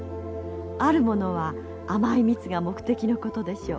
あるものは甘い蜜が目的のことでしょう。